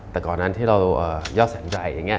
แต่ก่อนนั้นที่เรายอดแสนใหญ่อย่างนี้